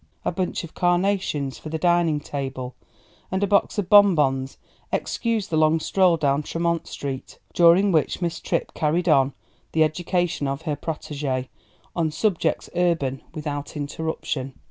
A bunch of carnations for the dining table and a box of bonbons excused the long stroll down Tremont Street, during which Miss Tripp carried on the education of her protégée on subjects urban without interruption.